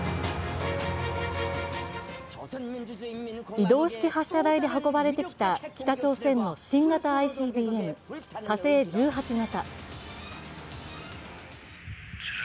移動式発射台で運ばれてきた北朝鮮の新型ＩＣＢＭ、火星１８型。